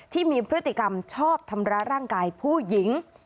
ที่มีพฤติกรรมชอบทำร้ายร่างกายผู้หญิง